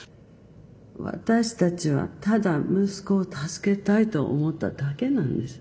私たちはただ息子を助けたいと思っただけなんです。